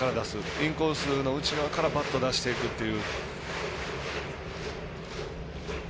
インコースの内側からバットを出していくという。